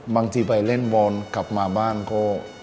บางทีไปเล่นบอลกลับมาบ้านก็